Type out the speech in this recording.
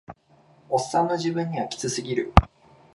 オッサンの自分にはキツすぎる